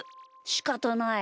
しかたない。